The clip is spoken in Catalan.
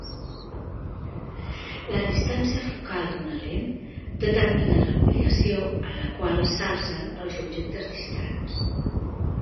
La distància focal d'una lent determina l'ampliació a la qual s'alcen els objectes distants.